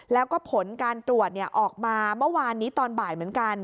แล้วก็ผลการตรวจออกมาเมื่อวานนี้ตอนบ่ายเหมือนกัน